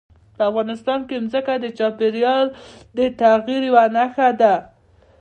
په افغانستان کې ځمکه د چاپېریال د تغیر یوه نښه ده.